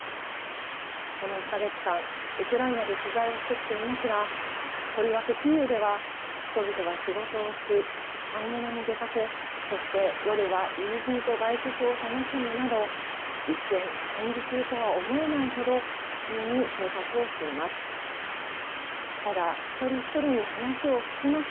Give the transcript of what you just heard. この１か月間、ウクライナで取材をしてきていますが、とりわけキーウでは、人々は仕事をし、買い物に出かけ、そして夜は友人と外食を楽しむなど、一見、戦時中とは思えないほど普通に生活をしています。